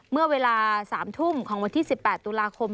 เมื่อเวลา๓ทุ่มของวันที่๑๘ตุลาคม